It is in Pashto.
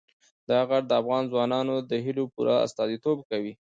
دا غر د افغان ځوانانو د هیلو پوره استازیتوب کوي.